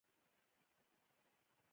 بحث المیت هم یو ځای چاپ شوی دی.